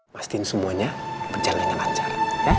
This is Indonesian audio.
pastiin semuanya berjalan dengan lancar